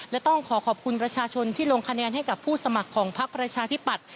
และต้องขอขอบคุณประชาชนที่ลงคะแนนให้กับผู้สมัครของพักประชาธิปัตย